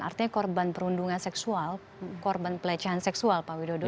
artinya korban perundungan seksual korban pelecehan seksual pak widodo